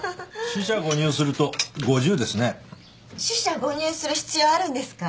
四捨五入する必要あるんですか？